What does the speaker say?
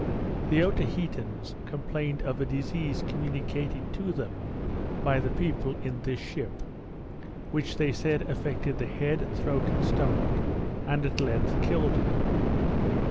The Otaheiteans complained of a disease communicated to them by the people in this ship, which they said affected the head, throat, and stomach, and at length killed them.